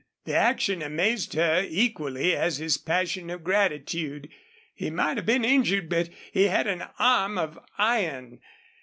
The action amazed her equally as his passion of gratitude. He might have been injured, but he had an arm of iron.